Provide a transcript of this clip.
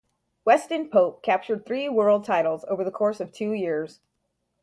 Weston Pope captured three world titles over the course of two years.